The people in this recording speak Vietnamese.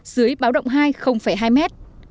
dưới báo động hai hai mét